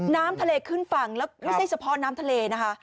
น้ำทะเลขึ้นฝั่งและแทรศพรรณน้ำทะเล